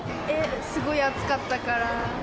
すごい暑かったから。